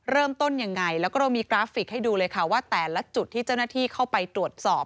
เริ่มต้นยังไงแล้วก็เรามีกราฟิกให้ดูเลยค่ะว่าแต่ละจุดที่เจ้าหน้าที่เข้าไปตรวจสอบ